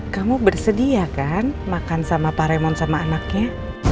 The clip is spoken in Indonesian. kamu bersedia kan makan sama pak remon sama anaknya